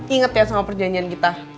ingat ya sama perjanjian kita